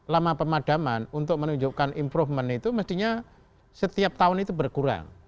lama pemadaman untuk menunjukkan improvement itu mestinya setiap tahun itu berkurang